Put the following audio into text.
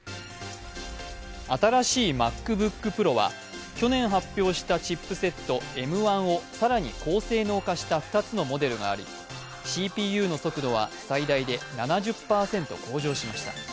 新しいＭａｃＢｏｏｋＰｒｏは去年発表したＭ１を更に高性能化した２つのモデルがあり、ＣＰＵの速度は最大で７０％向上しました。